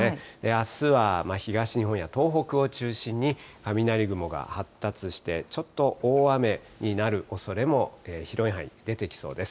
あすは東日本や東北を中心に、雷雲が発達して、ちょっと大雨になるおそれも広い範囲、出てきそうです。